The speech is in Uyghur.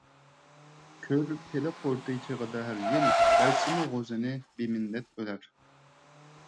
كۆر پىلە قۇرۇتى چېغىدا ھەر يىل، بەرسىمۇ غوزىنى بىمىننەت ئۆلەر.